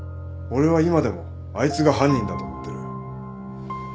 俺は今でもあいつが犯人だと思ってる。